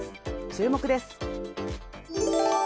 注目です。